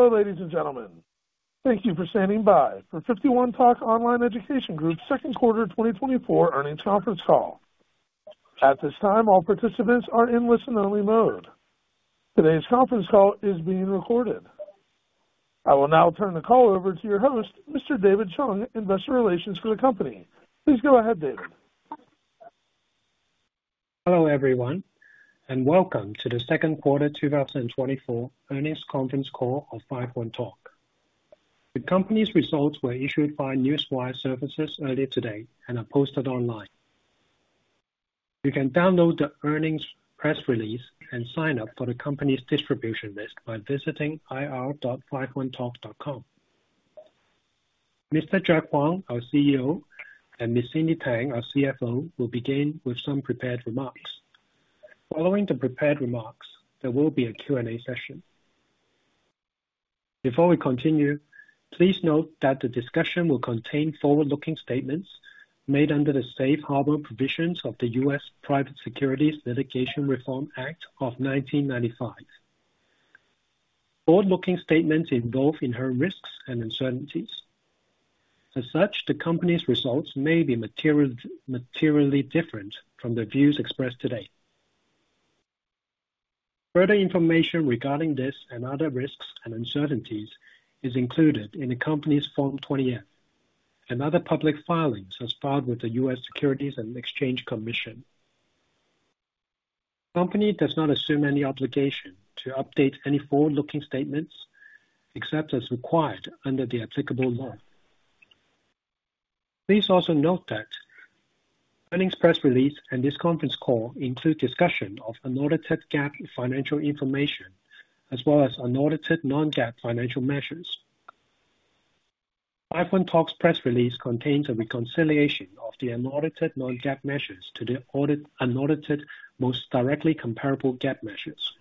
Hello, ladies and gentlemen. Thank you for standing by for 51Talk Online Education Group's Second Quarter 2024 earnings conference call. At this time, all participants are in listen-only mode. Today's conference call is being recorded. I will now turn the call over to your host, Mr. David Chung, investor relations for the company. Please go ahead, David. Hello, everyone, and welcome to the Second Quarter 2024 Earnings Conference Call of 51Talk. The company's results were issued by newswire services earlier today and are posted online. You can download the earnings press release and sign up for the company's distribution list by visiting ir.51talk.com. Mr. Jack Huang, our CEO, and Ms. Cindy Tang, our CFO, will begin with some prepared remarks. Following the prepared remarks, there will be a Q&A session. Before we continue, please note that the discussion will contain forward-looking statements made under the Safe Harbor Provisions of the U.S. Private Securities Litigation Reform Act of 1995. Forward-looking statements involve inherent risks and uncertainties. As such, the company's results may be materially different from the views expressed today. Further information regarding this and other risks and uncertainties is included in the company's Form 20-F, and other public filings as filed with the U.S. Securities and Exchange Commission. Company does not assume any obligation to update any forward-looking statements, except as required under the applicable law. Please also note that earnings press release and this conference call include discussion of unaudited GAAP financial information, as well as unaudited non-GAAP financial measures. 51Talk's press release contains a reconciliation of the unaudited non-GAAP measures to the unaudited, most directly comparable GAAP measures.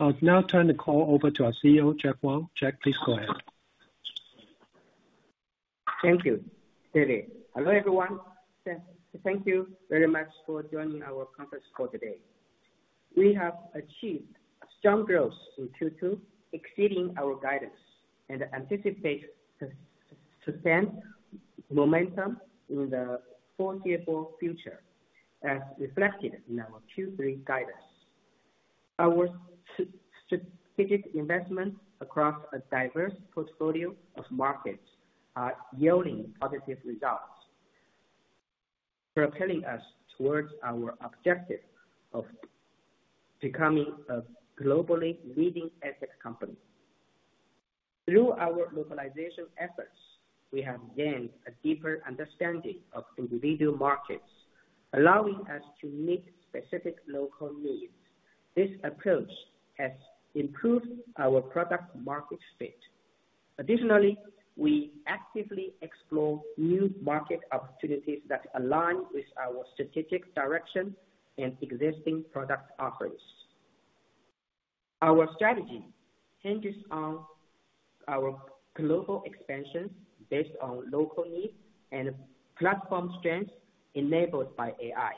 I'll now turn the call over to our CEO, Jack Wang. Jack, please go ahead. Thank you, David. Hello, everyone. Thank you very much for joining our conference call today. We have achieved strong growth in Q2, exceeding our guidance, and anticipate sustained momentum in the foreseeable future, as reflected in our Q3 guidance. Our strategic investments across a diverse portfolio of markets are yielding positive results, propelling us towards our objective of becoming a globally leading ed-tech company. Through our localization efforts, we have gained a deeper understanding of individual markets, allowing us to meet specific local needs. This approach has improved our product market fit. Additionally, we actively explore new market opportunities that align with our strategic direction and existing product offerings. Our strategy hinges on our global expansion based on local needs and platform strengths enabled by AI.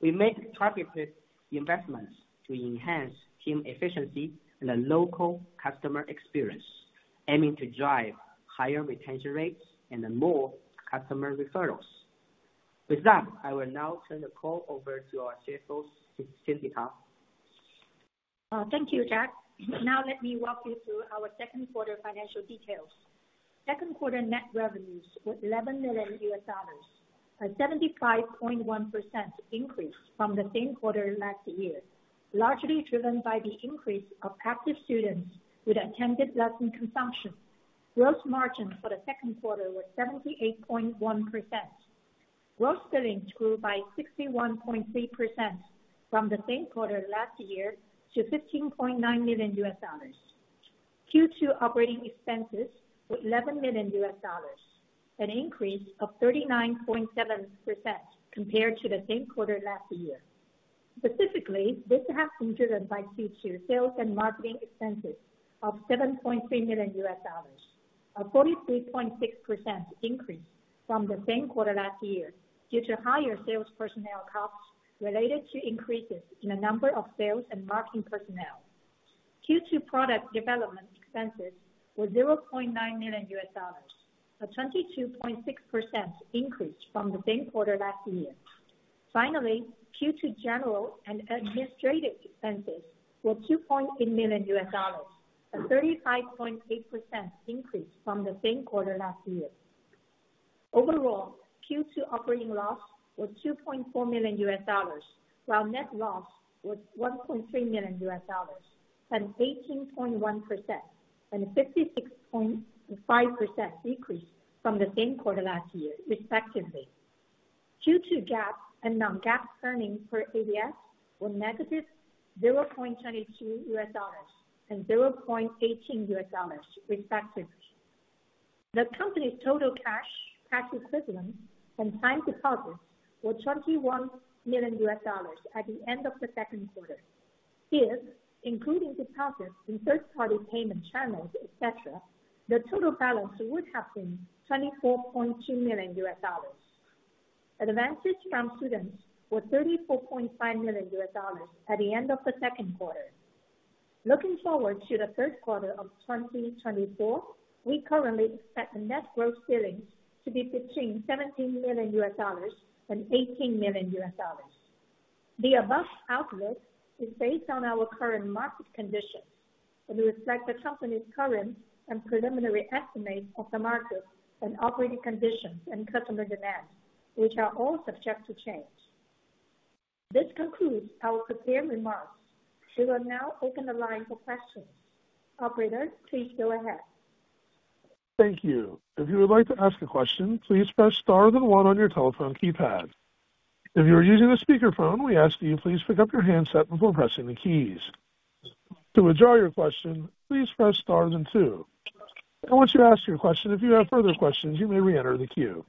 We make targeted investments to enhance team efficiency and the local customer experience, aiming to drive higher retention rates and more customer referrals. With that, I will now turn the call over to our CFO, Cindy Tang. Thank you, Jack. Now let me walk you through our second quarter financial details. Second quarter net revenues were $11 million, a 75.1% increase from the same quarter last year, largely driven by the increase of active students with attended lesson consumption. Gross margin for the second quarter was 78.1%. Gross billings grew by 61.3% from the same quarter last year to $15.9 million. Q2 operating expenses were $11 million, an increase of 39.7% compared to the same quarter last year. Specifically, this has been driven by Q2 sales and marketing expenses of $7.3 million, a 43.6% increase from the same quarter last year, due to higher sales personnel costs related to increases in the number of sales and marketing personnel. Q2 product development expenses were $0.9 million, a 22.6% increase from the same quarter last year. Finally, Q2 general and administrative expenses were $2.8 million, a 35.8% increase from the same quarter last year. Overall, Q2 operating loss was $2.4 million, while net loss was $1.3 million, an 18.1% and 56.5% decrease from the same quarter last year, respectively. Q2 GAAP and non-GAAP earnings per ADS were -$0.22 and $0.18, respectively. The company's total cash, cash equivalents, and time deposits were $21 million at the end of the second quarter. If, including deposits in third-party payment channels, et cetera, the total balance would have been $24.2 million. ...advances from students were $34.5 million at the end of the second quarter. Looking forward to the third quarter of 2024, we currently expect the net gross billings to be between $17 million and $18 million. The above outlook is based on our current market conditions and reflect the company's current and preliminary estimates of the market and operating conditions and customer demand, which are all subject to change. This concludes our prepared remarks. We will now open the line for questions. Operator, please go ahead. Thank you. If you would like to ask a question, please press star then one on your telephone keypad. If you are using a speakerphone, we ask that you please pick up your handset before pressing the keys. To withdraw your question, please press star then two. And once you ask your question, if you have further questions, you may reenter the queue.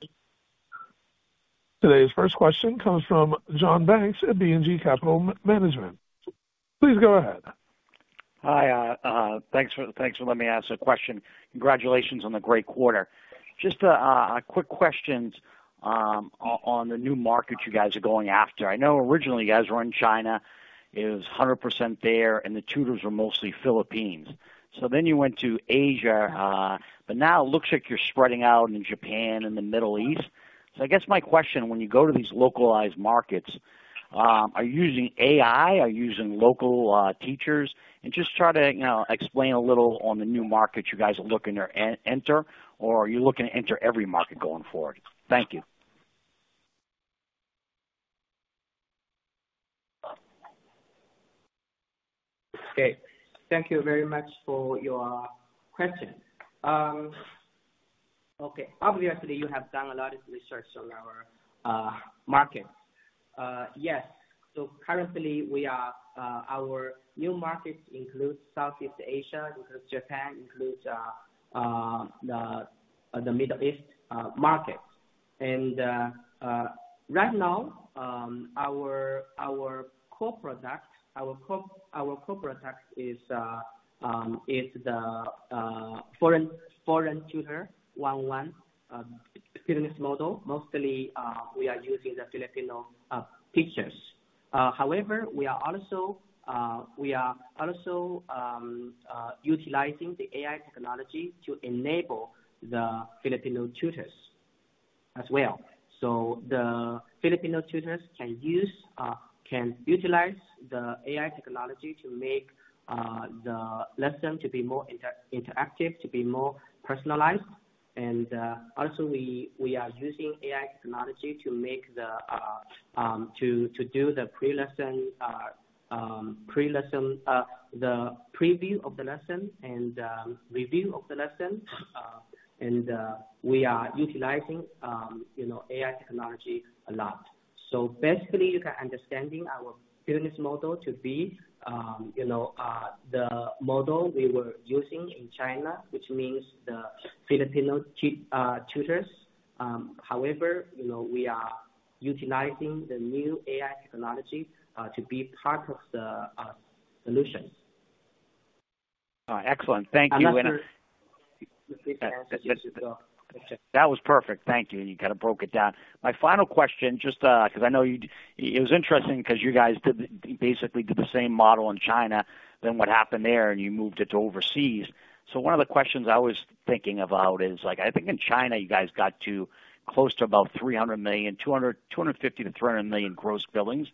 Today's first question comes from John Banks at BNG Capital Management. Please go ahead. Hi, thanks for letting me ask a question. Congratulations on the great quarter. Just, a quick questions, on the new markets you guys are going after. I know originally you guys were in China, it was 100% there, and the tutors were mostly Philippines. So then you went to Asia, but now it looks like you're spreading out in Japan and the Middle East. So I guess my question, when you go to these localized markets, are you using AI? Are you using local, teachers? And just try to, you know, explain a little on the new markets you guys are looking to enter, or are you looking to enter every market going forward? Thank you. Okay. Thank you very much for your question. Okay. Obviously, you have done a lot of research on our market. Yes, so currently, our new markets include Southeast Asia, Japan, and the Middle East market. And right now, our core product is the foreign tutor one-on-one business model. Mostly we are using the Filipino teachers. However, we are also utilizing the AI technology to enable the Filipino tutors as well. So the Filipino tutors can utilize the AI technology to make the lesson more interactive, more personalized. And, also, we are using AI technology to do the pre-lesson preview of the lesson and review of the lesson. And, we are utilizing, you know, AI technology a lot. So basically, you can understand our business model to be, you know, the model we were using in China, which means the Filipino tutors. However, you know, we are utilizing the new AI technology to be part of the solution. Excellent. Thank you. And after- That was perfect. Thank you. You kind of broke it down. My final question, just, because I know you... It was interesting because you guys did, basically did the same model in China, then what happened there, and you moved it to overseas. So one of the questions I was thinking about is, like, I think in China, you guys got to close to about $300 million, $200, $250-$300 million gross billings.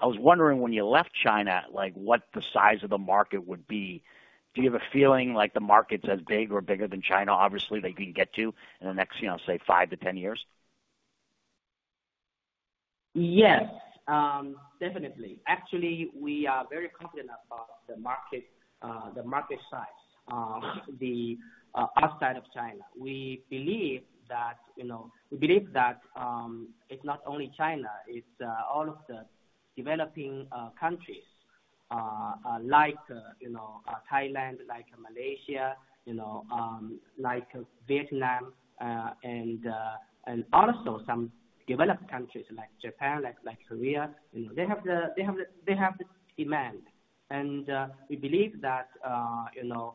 I was wondering when you left China, like, what the size of the market would be. Do you have a feeling like the market's as big or bigger than China, obviously, that you can get to in the next, you know, say, 5-10 years? Yes, definitely. Actually, we are very confident about the market, the market size, the outside of China. We believe that, you know, it's not only China, it's all of the developing countries, like, you know, Thailand, like Malaysia, you know, like Vietnam, and also some developed countries like Japan, like Korea. You know, they have the demand, and we believe that, you know,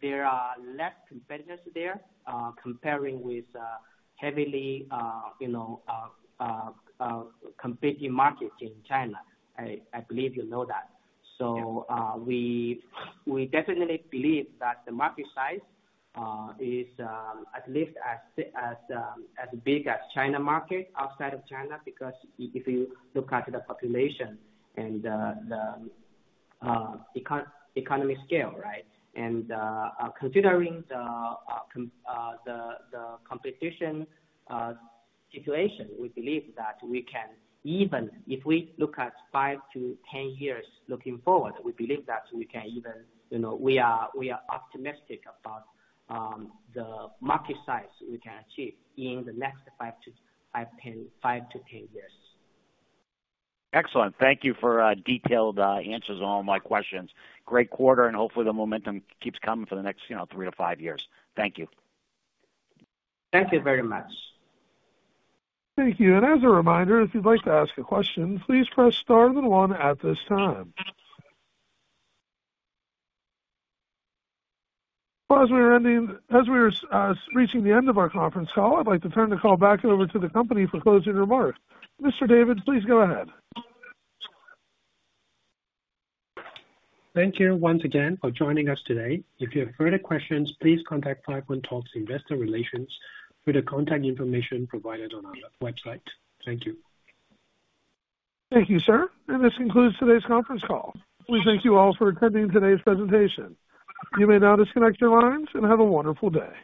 there are less competitors there, comparing with heavily competing markets in China. I believe you know that. So- Yeah. We definitely believe that the market size is at least as big as China market, outside of China, because if you look at the population and the economy scale, right? And considering the competition situation, we believe that we can even. If we look at five to 10 years looking forward, we believe that we can even, you know, we are optimistic about the market size we can achieve in the next five to 10 years. Excellent. Thank you for detailed answers on all my questions. Great quarter, and hopefully the momentum keeps coming for the next, you know, three to five years. Thank you. Thank you very much. Thank you. And as a reminder, if you'd like to ask a question, please press star then one at this time. As we are ending, as we are reaching the end of our conference call, I'd like to turn the call back over to the company for closing remarks. Mr. David, please go ahead. Thank you once again for joining us today. If you have further questions, please contact 51Talk investor relations with the contact information provided on our website. Thank you. Thank you, sir. And this concludes today's conference call. We thank you all for attending today's presentation. You may now disconnect your lines and have a wonderful day.